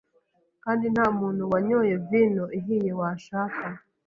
Kandi nta muntu wanyoye vino ihiye washaka